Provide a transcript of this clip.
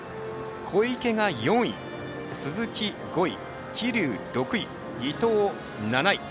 小池が４位鈴木５位、桐生６位伊藤、７位。